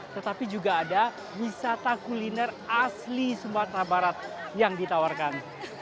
tetapi juga ada wisata kuliner asli sumatera barat yang ditawarkan